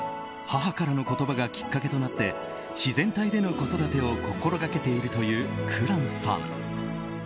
母からの言葉がきっかけとなって自然体での子育てを心掛けているという紅蘭さん。